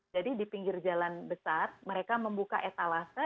jadi di pinggir jalan besar mereka membuka etalase